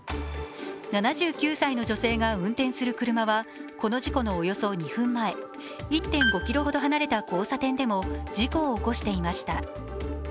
７９歳の女性が運転する車は、この事故のおよそ２分前、１．５ｋｍほど離れた交差点でも事故を起こしていました。